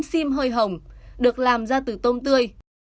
xim hơi hồng được làm ra từ tôm tươi